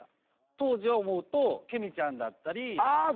当時を思うとケミちゃんだったり。